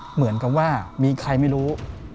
เหมือนกับว่ามีใครไม่รู้